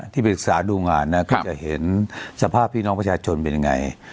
ที่ปรึกษาดูงานนะก็จะเห็นสภาพพี่น้องประชาชนเป็นยังไง